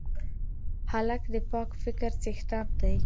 هلک د پاک فکر څښتن دی.